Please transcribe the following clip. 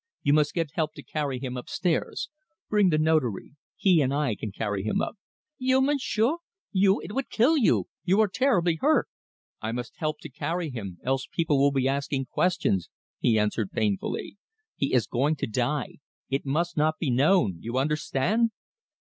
You must get help to carry him up stairs. Bring the Notary; he and I can carry him up." "You, Monsieur! You it would kill you! You are terribly hurt." "I must help to carry him, else people will be asking questions," he answered painfully. "He is going to die. It must not be known you understand!"